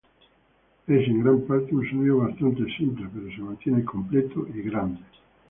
Es, en gran parte, un sonido bastante simple pero se mantiene completo y grande".